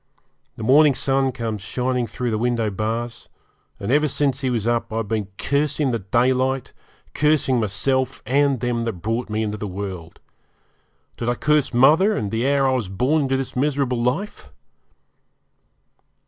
The morning sun comes shining through the window bars; and ever since he was up have I been cursing the daylight, cursing myself, and them that brought me into the world. Did I curse mother, and the hour I was born into this miserable life?